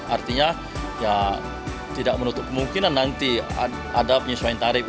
artinya ya tidak menutup kemungkinan nanti ada penyesuaian tarif